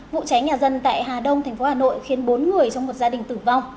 vụ cháy nhà dân tại hà đông tp hà nội khiến bốn người trong một gia đình tử vong